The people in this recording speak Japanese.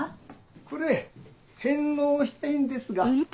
これ返納したいんですが。